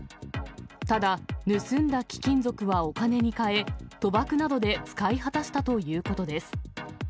ただ、盗んだ貴金属はお金に換え、賭博などで使い果たしたということです。